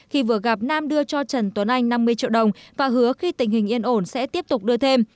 khi vừa gặp nam đưa cho trần tuấn anh năm mươi triệu đồng và hứa khi tình hình yên ổn sẽ tiếp tục đưa thêm